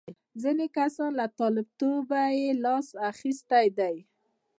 ځینې کسان له طالبتوبه یې لاس اخیستی دی.